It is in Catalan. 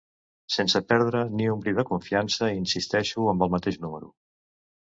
Sense perdre ni un bri de confiança insisteixo amb el mateix número.